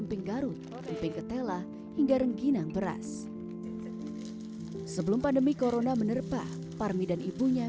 pinggarut keping ketela hingga rengginang beras sebelum pandemi corona menerpah parmi dan ibunya